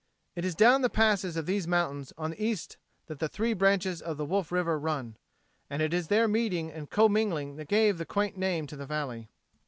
It is down the passes of these mountains on the east that the three branches of the Wolf River run, and it is their meeting and commingling that gave the quaint name to the valley.